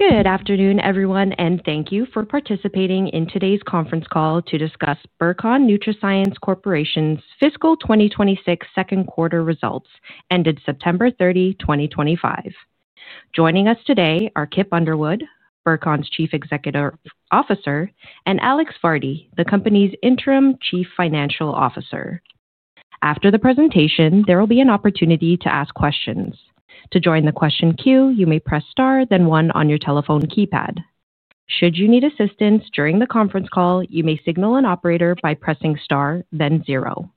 Good afternoon, everyone, and thank you for participating in today's conference call to discuss Burcon NutraScience Corporation's fiscal 2026 second quarter results ended September 30, 2025. Joining us today are Kip Underwood, Burcon's Chief Executive Officer, and Alex Vardy, the company's Interim Chief Financial Officer. After the presentation, there will be an opportunity to ask questions. To join the question queue, you may press star, then one on your telephone keypad. Should you need assistance during the conference call, you may signal an operator by pressing star, then zero.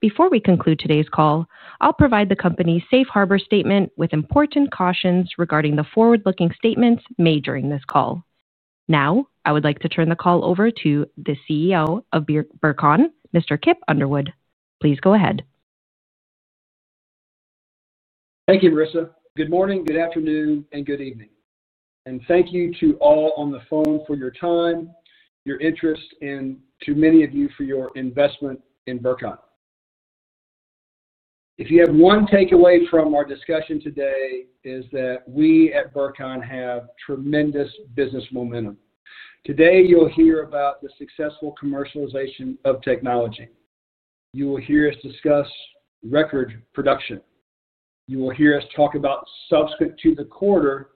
Before we conclude today's call, I'll provide the company's safe harbor statement with important cautions regarding the forward-looking statements made during this call. Now, I would like to turn the call over to the CEO of Burcon, Mr. Kip Underwood. Please go ahead. Thank you, Marissa. Good morning, good afternoon, and good evening. Thank you to all on the phone for your time, your interest, and to many of you for your investment in Burcon. If you have one takeaway from our discussion today, it is that we at Burcon have tremendous business momentum. Today, you'll hear about the successful commercialization of technology. You will hear us discuss record production. You will hear us talk about subsequent to the quarter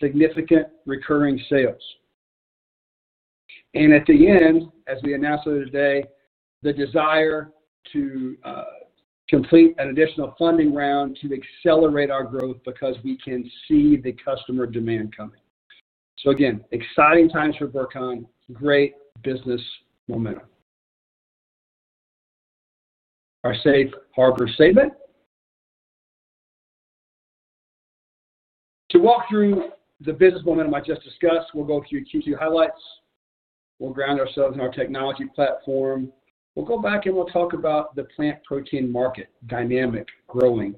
significant recurring sales. At the end, as we announced earlier today, the desire to complete an additional funding round to accelerate our growth because we can see the customer demand coming. Again, exciting times for Burcon, great business momentum. Our safe harbor statement. To walk through the business momentum I just discussed, we'll go through key highlights. We'll ground ourselves in our technology platform. We'll go back and we'll talk about the plant protein market dynamic growing.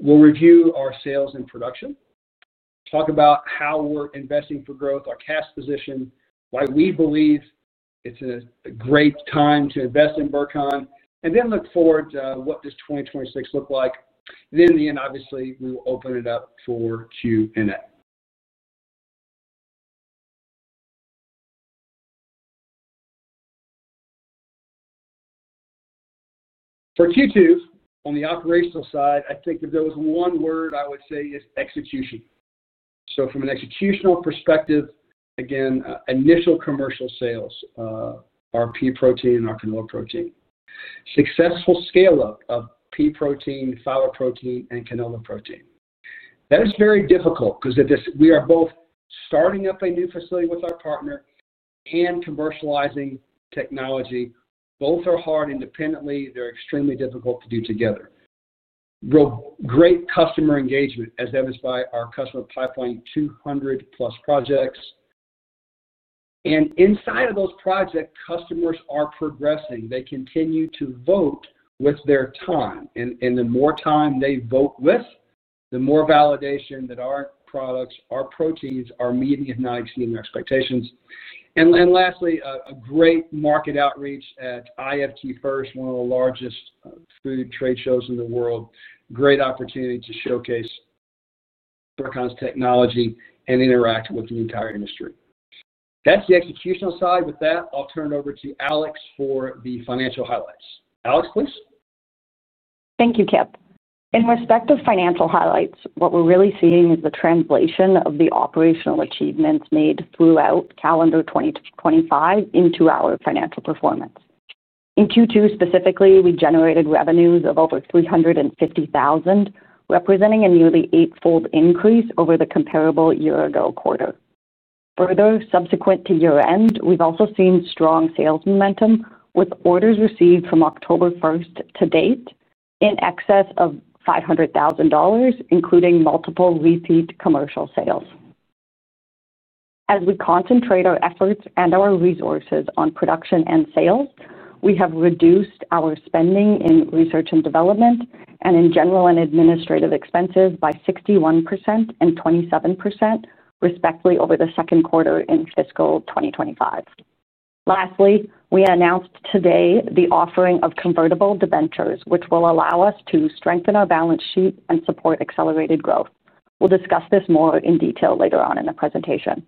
We'll review our sales and production, talk about how we're investing for growth, our cash position, why we believe it's a great time to invest in Burcon, and then look forward to what does 2026 look like. In the end, obviously, we will open it up for Q&A. For Q2, on the operational side, I think if there was one word I would say is execution. From an executional perspective, again, initial commercial sales, our pea protein and our canola protein. Successful scale-up of pea protein, fava protein, and canola protein. That is very difficult because we are both starting up a new facility with our partner and commercializing technology. Both are hard independently. They're extremely difficult to do together. Great customer engagement, as evidenced by our customer pipeline, 200-plus projects. Inside of those projects, customers are progressing. They continue to vote with their time. The more time they vote with, the more validation that our products, our proteins are meeting and not exceeding their expectations. Lastly, a great market outreach at IFT First, one of the largest food trade shows in the world. Great opportunity to showcase Burcon's technology and interact with the entire industry. That is the executional side. With that, I'll turn it over to Alex for the financial highlights. Alex, please. Thank you, Kip. In respect of financial highlights, what we're really seeing is the translation of the operational achievements made throughout calendar 2025 into our financial performance. In Q2 specifically, we generated revenues of over 350,000, representing a nearly eightfold increase over the comparable year-ago quarter. Further, subsequent to year-end, we've also seen strong sales momentum with orders received from October 1 to date in excess of 500,000 dollars, including multiple repeat commercial sales. As we concentrate our efforts and our resources on production and sales, we have reduced our spending in research and development and in general and administrative expenses by 61% and 27%, respectively, over the second quarter in fiscal 2025. Lastly, we announced today the offering of convertible debentures, which will allow us to strengthen our balance sheet and support accelerated growth. We'll discuss this more in detail later on in the presentation.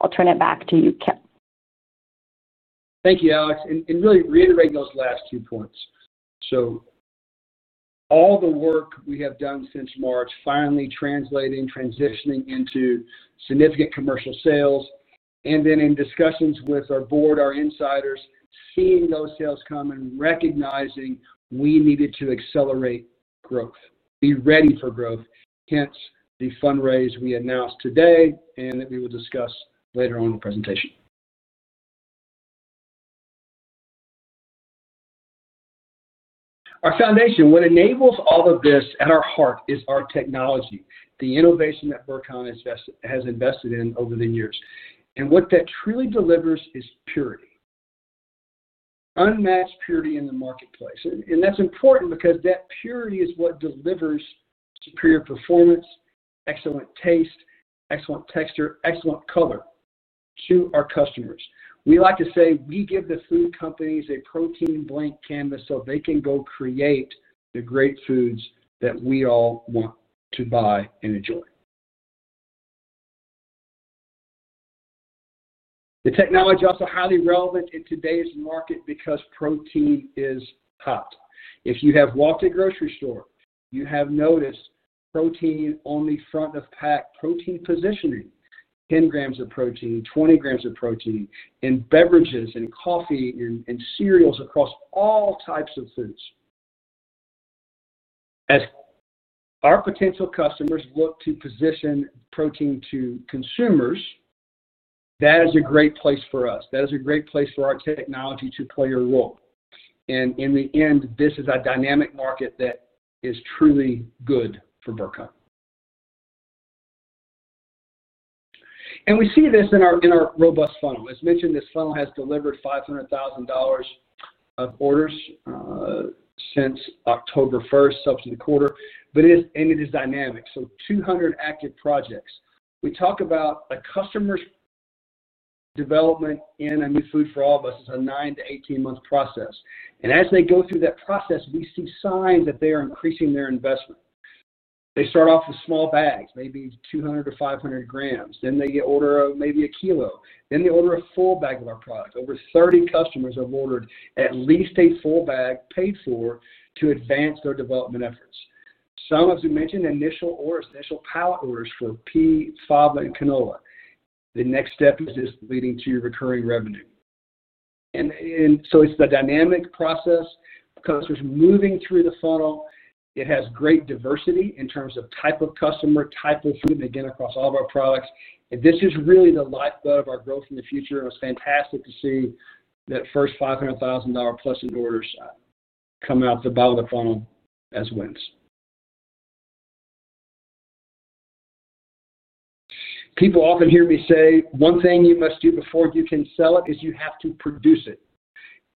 I'll turn it back to you, Kip. Thank you, Alex. Really reiterating those last two points. All the work we have done since March finally translating, transitioning into significant commercial sales. In discussions with our board, our insiders, seeing those sales come and recognizing we needed to accelerate growth, be ready for growth, hence the fundraise we announced today and that we will discuss later on in the presentation. Our foundation, what enables all of this at our heart is our technology, the innovation that Burcon has invested in over the years. What that truly delivers is purity, unmatched purity in the marketplace. That is important because that purity is what delivers superior performance, excellent taste, excellent texture, excellent color to our customers. We like to say we give the food companies a protein blank canvas so they can go create the great foods that we all want to buy and enjoy. The technology is also highly relevant in today's market because protein is hot. If you have walked to a grocery store, you have noticed protein on the front of pack, protein positioning, 10 grams of protein, 20 grams of protein, in beverages, in coffee, in cereals, across all types of foods. As our potential customers look to position protein to consumers, that is a great place for us. That is a great place for our technology to play a role. In the end, this is a dynamic market that is truly good for Burcon. We see this in our robust funnel. As mentioned, this funnel has delivered 500,000 dollars of orders since October 1, subsequent quarter, but it is dynamic. 200 active projects. We talk about a customer's development in a new food for all of us is a 9-18 month process. As they go through that process, we see signs that they are increasing their investment. They start off with small bags, maybe 200-500 grams. Then they order maybe a kilo. Then they order a full bag of our product. Over 30 customers have ordered at least a full bag paid for to advance their development efforts. Some, as we mentioned, initial or essential pallet orders for pea, fava, and canola. The next step is leading to recurring revenue. It is a dynamic process. Customers moving through the funnel. It has great diversity in terms of type of customer, type of food, and again, across all of our products. This is really the lifeblood of our growth in the future. It is fantastic to see that first 500,000 dollar plus in orders come out the bottom of the funnel as wins. People often hear me say, "One thing you must do before you can sell it is you have to produce it."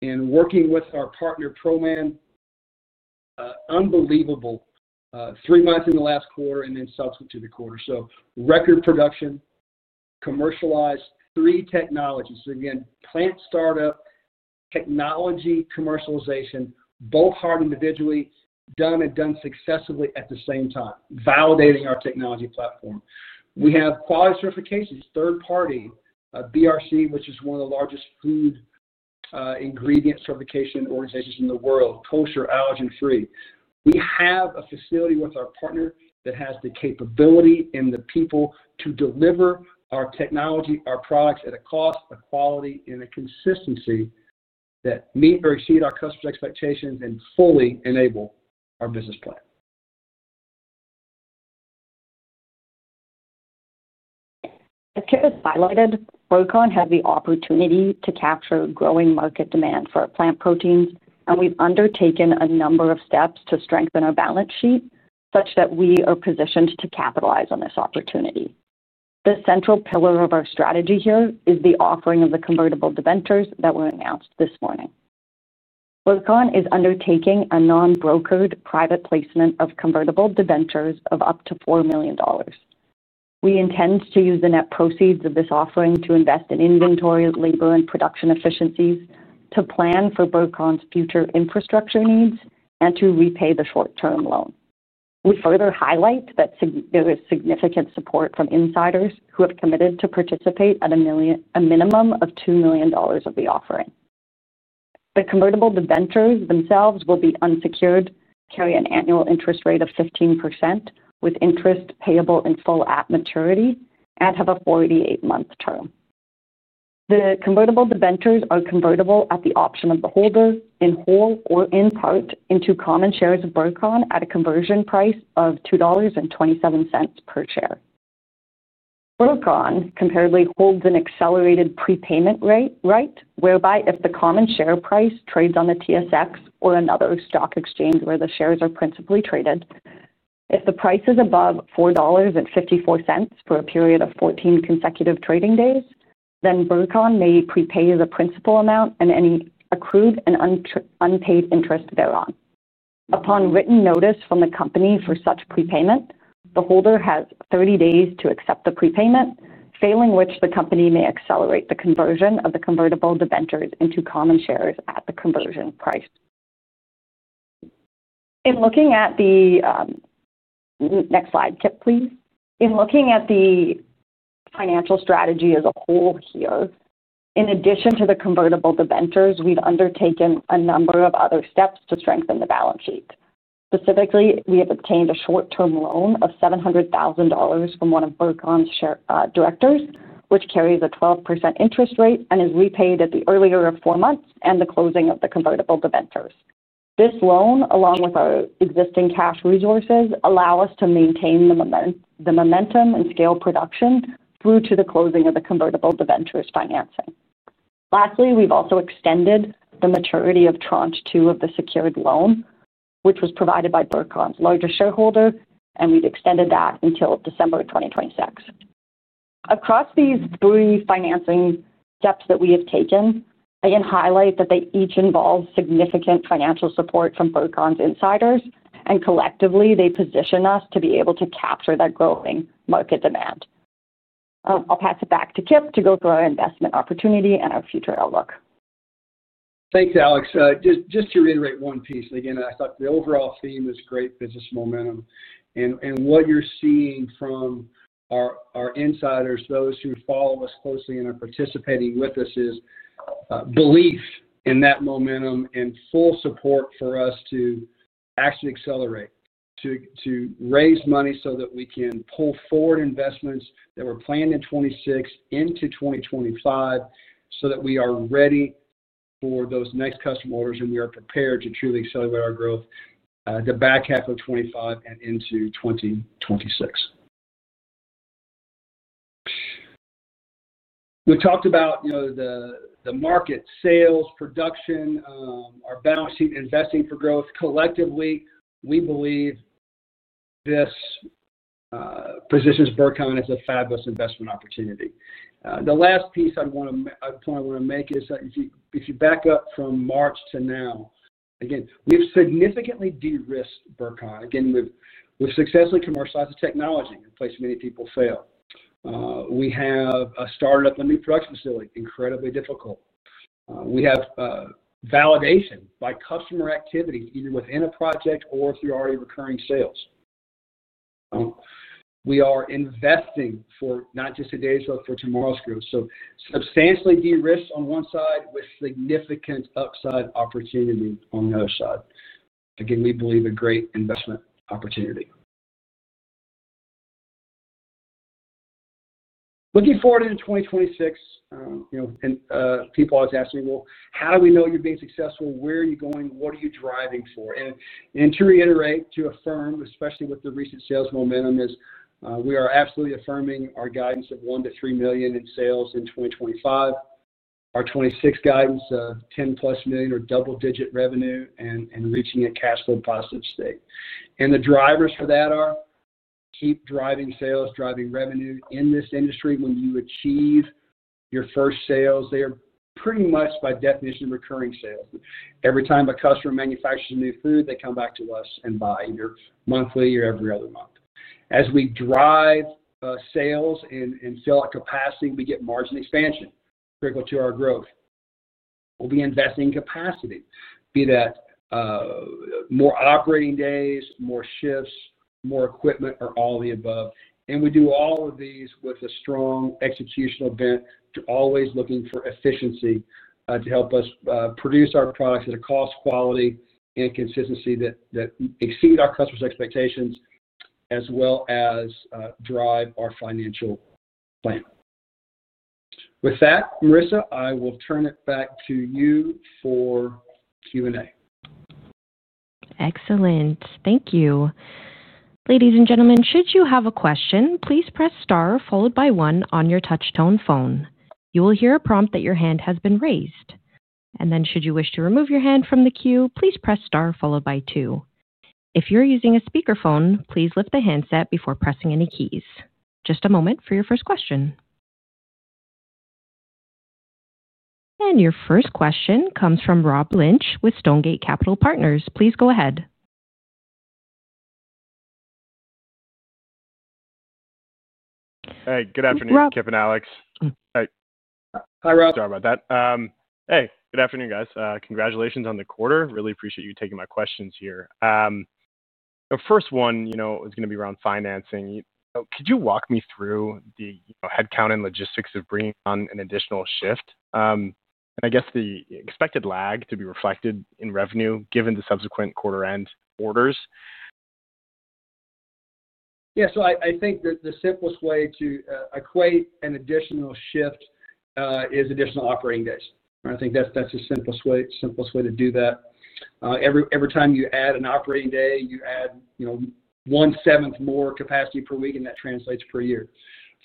Working with our partner ProMan, unbelievable, three months in the last quarter and then subsequent to the quarter. Record production, commercialized, three technologies. Again, plant startup, technology commercialization, both hard individually, done and done successfully at the same time, validating our technology platform. We have quality certifications, third-party BRC, which is one of the largest food ingredient certification organizations in the world, kosher, allergen-free. We have a facility with our partner that has the capability and the people to deliver our technology, our products at a cost, a quality, and a consistency that meet or exceed our customers' expectations and fully enable our business plan. As Kip has highlighted, Burcon has the opportunity to capture growing market demand for plant proteins, and we've undertaken a number of steps to strengthen our balance sheet such that we are positioned to capitalize on this opportunity. The central pillar of our strategy here is the offering of the convertible debentures that were announced this morning. Burcon is undertaking a non-brokered private placement of convertible debentures of up to 4 million dollars. We intend to use the net proceeds of this offering to invest in inventory, labor, and production efficiencies to plan for Burcon's future infrastructure needs and to repay the short-term loan. We further highlight that there is significant support from insiders who have committed to participate at a minimum of 2 million dollars of the offering. The convertible debentures themselves will be unsecured, carry an annual interest rate of 15% with interest payable in full at maturity, and have a 48-month term. The convertible debentures are convertible at the option of the holder in whole or in part into common shares of Burcon at a conversion price of 2.27 dollars per share. Burcon comparatively holds an accelerated prepayment right, whereby if the common share price trades on the TSX or another stock exchange where the shares are principally traded, if the price is above 4.54 dollars for a period of 14 consecutive trading days, then Burcon may prepay the principal amount and any accrued and unpaid interest thereon. Upon written notice from the company for such prepayment, the holder has 30 days to accept the prepayment, failing which the company may accelerate the conversion of the convertible debentures into common shares at the conversion price. In looking at the next slide, Kip, please. In looking at the financial strategy as a whole here, in addition to the convertible debentures, we've undertaken a number of other steps to strengthen the balance sheet. Specifically, we have obtained a short-term loan of 700,000 dollars from one of Burcon's directors, which carries a 12% interest rate and is repaid at the earlier of four months and the closing of the convertible debentures. This loan, along with our existing cash resources, allows us to maintain the momentum and scale production through to the closing of the convertible debentures financing. Lastly, we've also extended the maturity of tranche two of the secured loan, which was provided by Burcon's largest shareholder, and we've extended that until December 2026. Across these three financing steps that we have taken, I can highlight that they each involve significant financial support from Burcon's insiders, and collectively, they position us to be able to capture that growing market demand. I'll pass it back to Kip to go through our investment opportunity and our future outlook. Thanks, Alex. Just to reiterate one piece, and again, I thought the overall theme is great business momentum. What you're seeing from our insiders, those who follow us closely and are participating with us, is belief in that momentum and full support for us to actually accelerate, to raise money so that we can pull forward investments that were planned in 2026 into 2025 so that we are ready for those next customer orders and we are prepared to truly accelerate our growth the back half of 2025 and into 2026. We talked about the market sales, production, our balance sheet investing for growth. Collectively, we believe this positions Burcon as a fabulous investment opportunity. The last piece I want to make is that if you back up from March to now, again, we've significantly de-risked Burcon. Again, we've successfully commercialized the technology in a place many people fail. We have started up a new production facility, incredibly difficult. We have validation by customer activity either within a project or through already recurring sales. We are investing for not just today's growth, but for tomorrow's growth. Substantially de-risked on one side with significant upside opportunity on the other side. Again, we believe a great investment opportunity. Looking forward into 2026, people always ask me, "How do we know you're being successful? Where are you going? What are you driving for?" To reiterate, to affirm, especially with the recent sales momentum, we are absolutely affirming our guidance of $1 million-$3 million in sales in 2025, our 2026 guidance of $10 million-plus or double-digit revenue and reaching a cash flow positive state. The drivers for that are keep driving sales, driving revenue in this industry. When you achieve your first sales, they are pretty much by definition recurring sales. Every time a customer manufactures a new food, they come back to us and buy either monthly or every other month. As we drive sales and fill up capacity, we get margin expansion critical to our growth. We will be investing in capacity, be that more operating days, more shifts, more equipment, or all the above. We do all of these with a strong executional bent, always looking for efficiency to help us produce our products at a cost, quality, and consistency that exceed our customers' expectations, as well as drive our financial plan. With that, Marissa, I will turn it back to you for Q&A. Excellent. Thank you. Ladies and gentlemen, should you have a question, please press star followed by one on your touch-tone phone. You will hear a prompt that your hand has been raised. Should you wish to remove your hand from the queue, please press star followed by two. If you're using a speakerphone, please lift the handset before pressing any keys. Just a moment for your first question. Your first question comes from Rob Lynch with Stonegate Capital Partners. Please go ahead. Hey, good afternoon, Kip and Alex. Hi, Rob. Sorry about that. Hey, good afternoon, guys. Congratulations on the quarter. Really appreciate you taking my questions here. The first one is going to be around financing. Could you walk me through the headcount and logistics of bringing on an additional shift? I guess the expected lag to be reflected in revenue given the subsequent quarter-end orders? Yeah. I think the simplest way to equate an additional shift is additional operating days. I think that's the simplest way to do that. Every time you add an operating day, you add one-seventh more capacity per week, and that translates per year.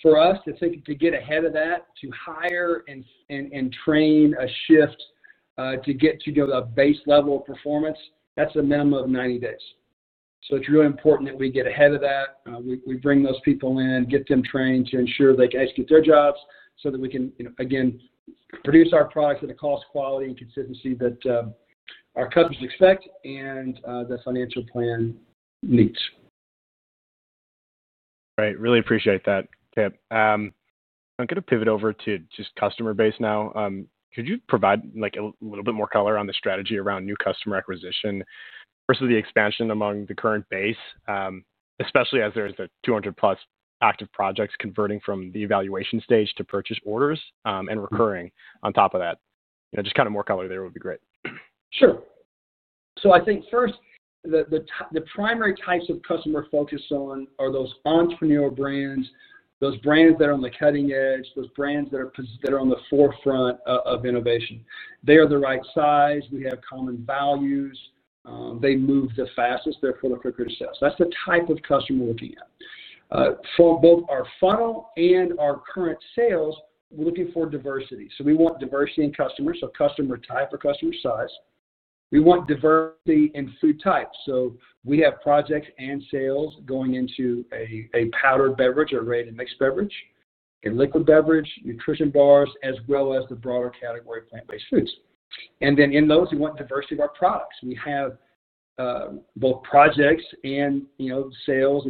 For us, to get ahead of that, to hire and train a shift to get to a base level of performance, that's a minimum of 90 days. It is really important that we get ahead of that. We bring those people in, get them trained to ensure they can execute their jobs so that we can, again, produce our products at a cost, quality, and consistency that our customers expect and the financial plan meets. Right. Really appreciate that, Kip. I'm going to pivot over to just customer base now. Could you provide a little bit more color on the strategy around new customer acquisition versus the expansion among the current base, especially as there's 200-plus active projects converting from the evaluation stage to purchase orders and recurring on top of that? Just kind of more color there would be great. Sure. I think first, the primary types of customer focus on are those entrepreneur brands, those brands that are on the cutting edge, those brands that are on the forefront of innovation. They are the right size. We have common values. They move the fastest, therefore, the quicker to sales. That is the type of customer we are looking at. For both our funnel and our current sales, we are looking for diversity. We want diversity in customers, so customer type or customer size. We want diversity in food types. We have projects and sales going into a powdered beverage or a ready-to-mix beverage, a liquid beverage, nutrition bars, as well as the broader category of plant-based foods. In those, we want diversity of our products. We have both projects and initial sales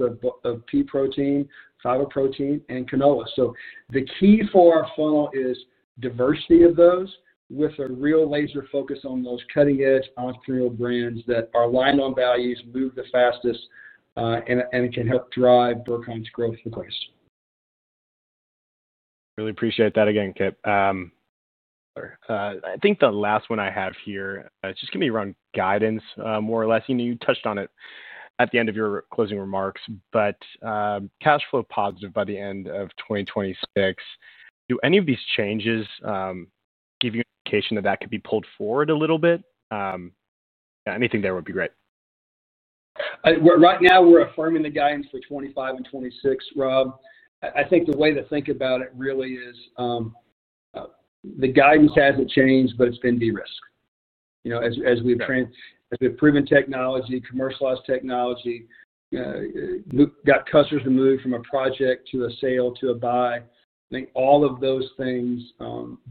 of pea protein, fava protein, and canola protein. The key for our funnel is diversity of those with a real laser focus on those cutting-edge entrepreneurial brands that are aligned on values, move the fastest, and can help drive Burcon's growth in place. Really appreciate that again, Kip. I think the last one I have here is just going to be around guidance, more or less. You touched on it at the end of your closing remarks, but cash flow positive by the end of 2026. Do any of these changes give you an indication that that could be pulled forward a little bit? Anything there would be great. Right now, we're affirming the guidance for 2025 and 2026, Rob. I think the way to think about it really is the guidance hasn't changed, but it's been de-risked. As we've proven technology, commercialized technology, got customers to move from a project to a sale to a buy, I think all of those things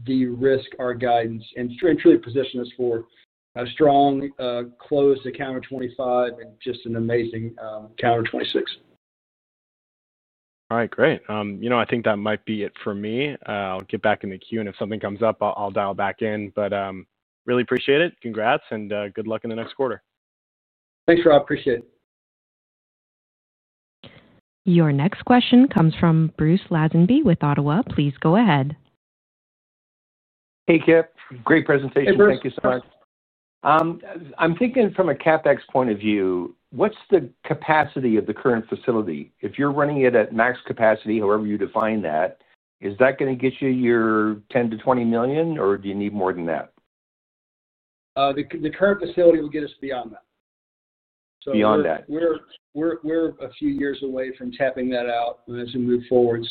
de-risk our guidance and truly position us for a strong, close to calendar 2025 and just an amazing calendar 2026. All right. Great. I think that might be it for me. I'll get back in the queue, and if something comes up, I'll dial back in. Really appreciate it. Congrats, and good luck in the next quarter. Thanks, Rob. Appreciate it. Your next question comes from Bruce Lazenby with Ottawa. Please go ahead. Hey, Kip. Great presentation. Thank you so much. I'm thinking from a CapEx point of view, what's the capacity of the current facility? If you're running it at max capacity, however you define that, is that going to get you your 10-20 million, or do you need more than that? The current facility will get us beyond that. Beyond that. We're a few years away from tapping that out as we move forward.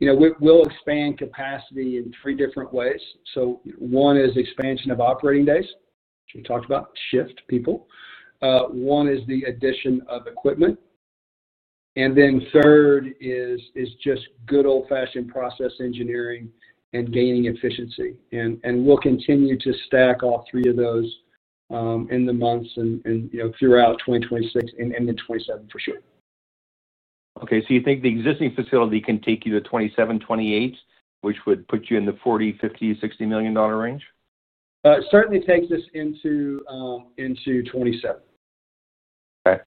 We'll expand capacity in three different ways. One is expansion of operating days, which we talked about, shift people. One is the addition of equipment. Third is just good old-fashioned process engineering and gaining efficiency. We'll continue to stack all three of those in the months and throughout 2026 and into 2027 for sure. Okay. So you think the existing facility can take you to 2027, 2028, which would put you in the 40 million-50 million-CAD 60 million range? Certainly takes us into 2027. Okay.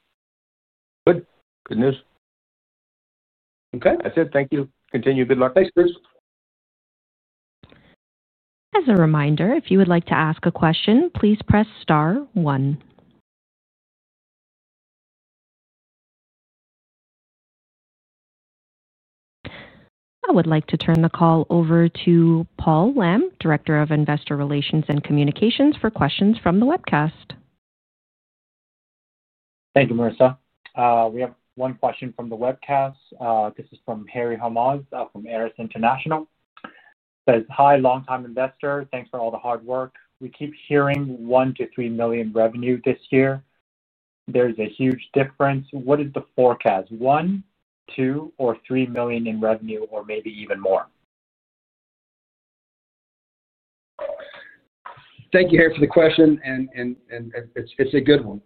Good. Good news. Okay. That's it. Thank you. Continue. Good luck. Thanks, Bruce. As a reminder, if you would like to ask a question, please press star one. I would like to turn the call over to Paul Lam, Director of Investor Relations and Communications, for questions from the webcast. Thank you, Marissa. We have one question from the webcast. This is from Harry Hammad from Aeris International. He says, "Hi, long-time investor. Thanks for all the hard work. We keep hearing 1 million to 3 million revenue this year. There's a huge difference. What is the forecast? 1 million, 2 million, or 3 million in revenue, or maybe even more? Thank you, Harry, for the question. It is a good one.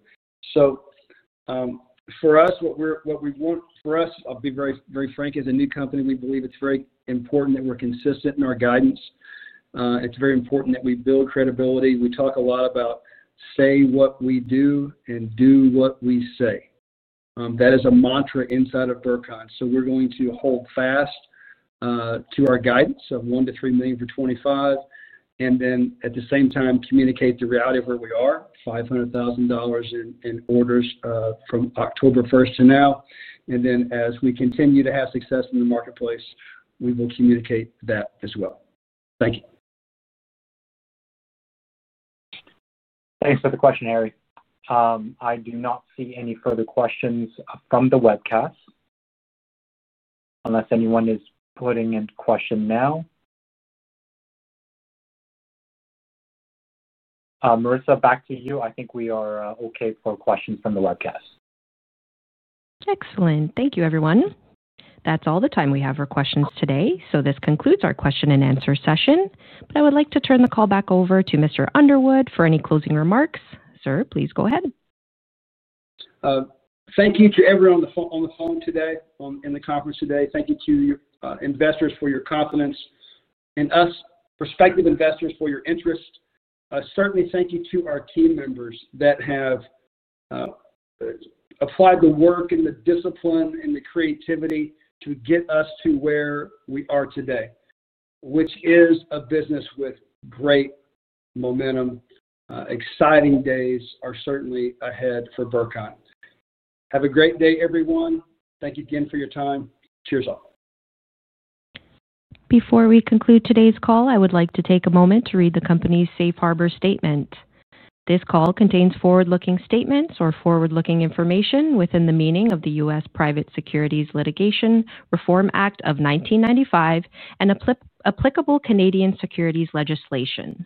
For us, what we want for us, I'll be very frank, is a new company. We believe it is very important that we are consistent in our guidance. It is very important that we build credibility. We talk a lot about say what we do and do what we say. That is a mantra inside of Burcon. We are going to hold fast to our guidance of 1 million-3 million for 2025, and at the same time, communicate the reality of where we are, 500,000 dollars in orders from October 1 to now. As we continue to have success in the marketplace, we will communicate that as well. Thank you. Thanks for the question, Harry. I do not see any further questions from the webcast unless anyone is putting in question now. Marissa, back to you. I think we are okay for questions from the webcast. Excellent. Thank you, everyone. That is all the time we have for questions today. This concludes our question-and-answer session. I would like to turn the call back over to Mr. Underwood for any closing remarks. Sir, please go ahead. Thank you to everyone on the phone today in the conference today. Thank you to our investors for your confidence in us, prospective investors, for your interest. Certainly, thank you to our team members that have applied the work and the discipline and the creativity to get us to where we are today, which is a business with great momentum. Exciting days are certainly ahead for Burcon. Have a great day, everyone. Thank you again for your time. Cheers all. Before we conclude today's call, I would like to take a moment to read the company's safe harbor statement. This call contains forward-looking statements or forward-looking information within the meaning of the U.S. Private Securities Litigation Reform Act of 1995 and applicable Canadian securities legislation.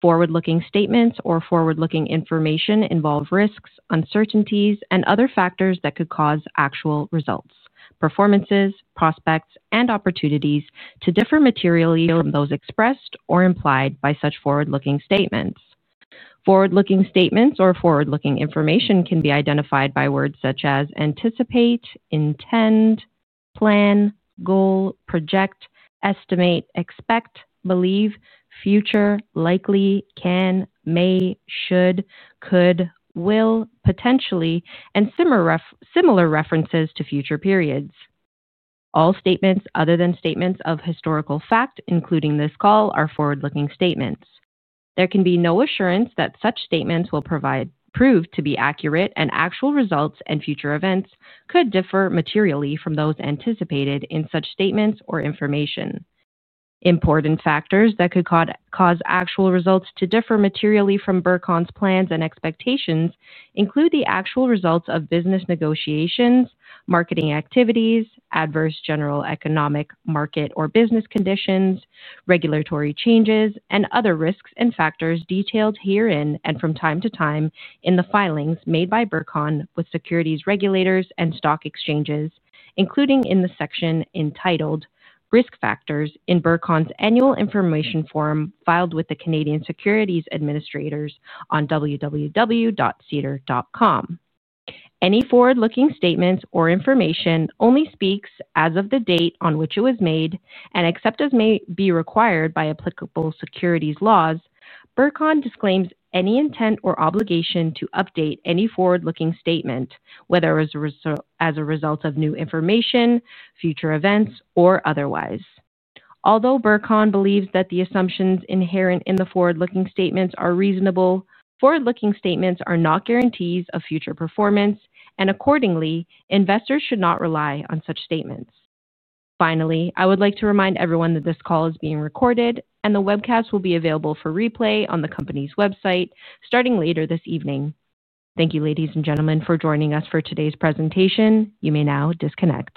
Forward-looking statements or forward-looking information involve risks, uncertainties, and other factors that could cause actual results, performances, prospects, and opportunities to differ materially from those expressed or implied by such forward-looking statements. Forward-looking statements or forward-looking information can be identified by words such as anticipate, intend, plan, goal, project, estimate, expect, believe, future, likely, can, may, should, could, will, potentially, and similar references to future periods. All statements other than statements of historical fact, including this call, are forward-looking statements. There can be no assurance that such statements will prove to be accurate, and actual results and future events could differ materially from those anticipated in such statements or information. Important factors that could cause actual results to differ materially from Burcon's plans and expectations include the actual results of business negotiations, marketing activities, adverse general economic market or business conditions, regulatory changes, and other risks and factors detailed herein and from time to time in the filings made by Burcon with securities regulators and stock exchanges, including in the section entitled Risk Factors in Burcon's Annual Information Form filed with the Canadian Securities Administrators on www.ceder.com. Any forward-looking statements or information only speaks as of the date on which it was made and except as may be required by applicable securities laws. Burcon disclaims any intent or obligation to update any forward-looking statement, whether as a result of new information, future events, or otherwise. Although Burcon believes that the assumptions inherent in the forward-looking statements are reasonable, forward-looking statements are not guarantees of future performance, and accordingly, investors should not rely on such statements. Finally, I would like to remind everyone that this call is being recorded, and the webcast will be available for replay on the company's website starting later this evening. Thank you, ladies and gentlemen, for joining us for today's presentation. You may now disconnect.